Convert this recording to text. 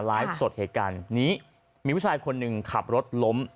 ไลฟ์สดเหตุการณ์นี้มีผู้ชายคนหนึ่งขับรถล้ม